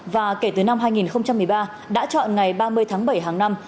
và kể từ năm hai nghìn một mươi ba đã chọn ngày ba mươi tháng bảy hàng năm